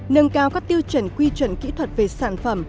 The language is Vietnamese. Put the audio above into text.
nâng cao các tiêu chuẩn quy chuẩn kỹ thuật về sản phẩm